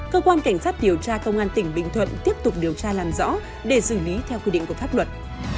cơ quan cảnh sát điều tra công an tỉnh bình thuận tiếp tục điều tra làm rõ để xử lý theo quy định của pháp luật